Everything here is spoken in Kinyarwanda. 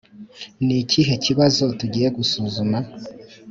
ni ikihe kibazo tugiye gusuzuma?